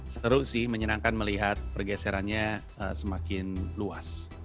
seru sih menyenangkan melihat pergeserannya semakin luas